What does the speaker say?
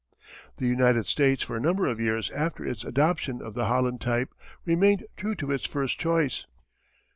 The United States for a number of years after its adoption of the Holland type remained true to its first choice.